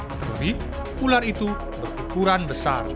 atau lebih ular itu berukuran besar